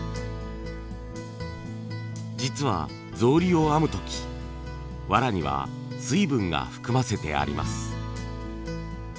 実は草履を編む時わらには水分が含ませてあります。